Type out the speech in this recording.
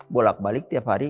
bolak balik tiap hari